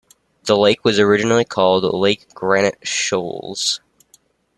The lake was originally called Lake Granite Shoals.